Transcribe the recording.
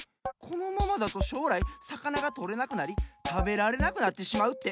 このままだとしょうらいさかながとれなくなりたべられなくなってしまうって。